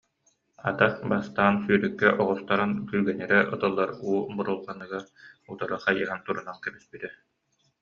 Ата бастаан сүүрүккэ оҕустаран күүгэннирэ ытыллар уу бурулҕаныгар утары хайыһан турунан кэбиспитэ